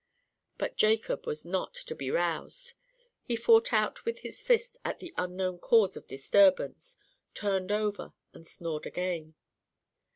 But Jacob was not to be roused. He fought out with his fist at the unknown cause of disturbance, turned over, and snored again.